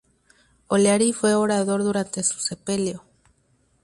O'Leary fue orador durante su sepelio.